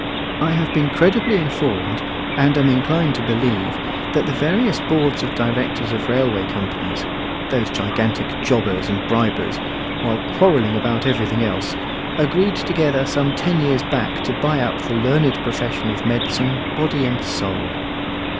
I have been credibly informed, and am inclined to believe, that the various boards of directors of railway companies, those gigantic jobbers and bribers, while quarrelling about everything else, agreed together some ten years back to buy up the learned profession of medicine, body and soul.